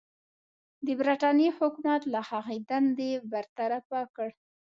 د برټانیې حکومت هغه له دندې برطرفه کړ.